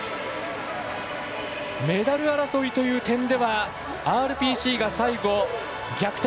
メダル争いという点ではＲＰＣが最後逆転。